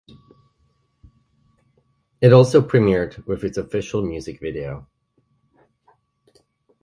It also premiered with its official music video.